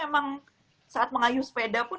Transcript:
emang saat mengayuh sepeda pun